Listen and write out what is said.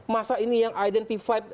masa ini yang identified